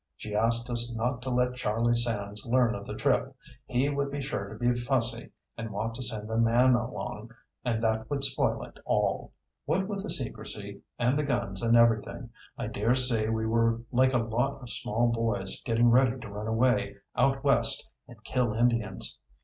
She asked us not to let Charlie Sands learn of the trip. He would be sure to be fussy and want to send a man along, and that would spoil it all. What with the secrecy, and the guns and everything, I dare say we were like a lot of small boys getting ready to run away out West and kill Indians.